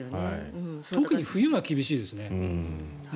特に冬が厳しいですね。